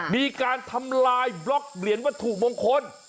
มีการทำลายบล็อกเหรียญวัตถุมงคล